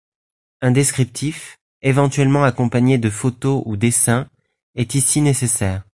Un descriptif, éventuellement accompagné de photo ou dessin, est ici nécessaire.